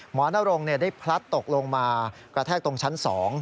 นรงได้พลัดตกลงมากระแทกตรงชั้น๒